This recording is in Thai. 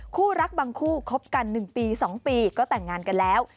คู่รักบางคู่คบกัน๑ปี๒ปีก็แต่งงานกันแล้ว